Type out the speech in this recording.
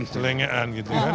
celenge en gitu kan